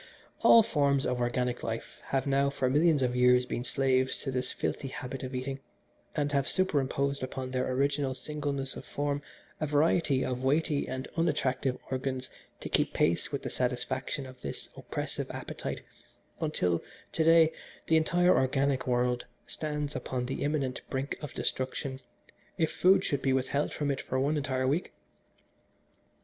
"All forms of organic life have now for millions of years been slaves to this filthy habit of eating, and have superimposed upon their original singleness of form a variety of weighty and unattractive organs to keep pace with the satisfaction of this oppressive appetite, until to day the entire organic world stands upon the imminent brink of destruction if food should be withheld from it for one entire week.